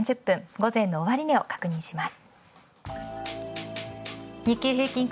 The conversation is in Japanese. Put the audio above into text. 午前の終値を確認します。